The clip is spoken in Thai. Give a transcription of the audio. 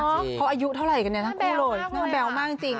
เพราะอายุเท่าไรกันทั้งคู่เลยหน้าแบวมากจริง